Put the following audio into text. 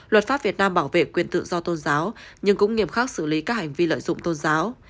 luật pháp việt nam bảo vệ quyền tự do tôn giáo nhưng cũng nghiêm khắc xử lý các hành vi lợi dụng tôn giáo